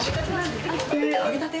揚げたて？